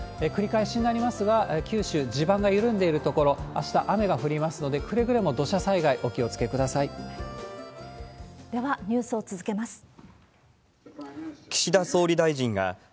繰り返しになりますが、九州、地盤が緩んでいる所、あした、雨が降りますので、くれぐれも土砂ではニュースを続けます。